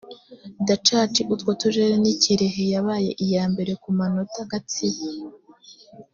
dacaci utwo turere ni kirehe yabaye iya mbere ku manota gatsibo